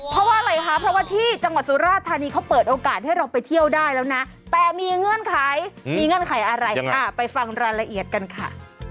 เพราะว่าอะไรคะเพราะว่าที่จังหวัดสุราธานีเขาเปิดโอกาสให้เราไปเที่ยวได้แล้วนะแต่มีเงื่อนไขมีเงื่อนไขอะไรไปฟังรายละเอียดกันค่ะ